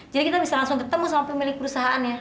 jadi kita bisa langsung ketemu sama pemilik perusahaannya